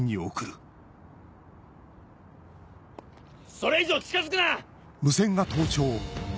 それ以上近づくな！